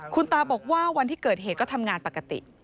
คุณตาบอกว่าวันที่เกิดเหตุก็ทำงานปกติ